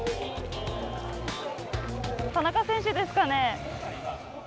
田中選手ですかね。